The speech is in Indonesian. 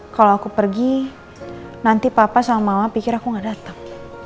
kalau aku pergi nanti papa sama mama pikir aku gak datang